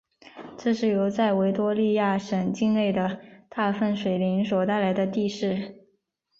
这是由在维多利亚省境内的大分水岭所带来的地势。